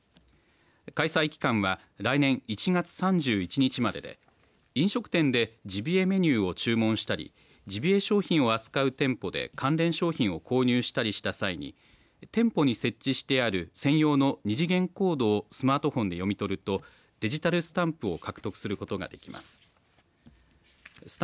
開催期間は来年１月３１日までで飲食店でジビエメニューを注文したりジビエ商品を扱う店舗で関連商品を購入したりした際に店舗に設置してある専用の２次元コードをスマートフォンで読み取るとデジタルスタンプを獲得することができます。